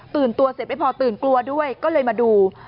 ตัวเสร็จไม่พอตื่นกลัวด้วยก็เลยมาดู